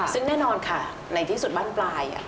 ซึ่งแน่นอนค่ะในที่สุดบ้านปลาย